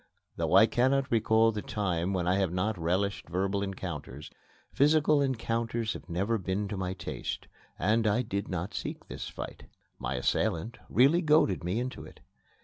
Though I cannot recall the time when I have not relished verbal encounters, physical encounters had never been to my taste, and I did not seek this fight. My assailant really goaded me into it.